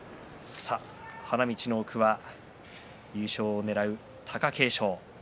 花道の奥は優勝をねらう貴景勝です。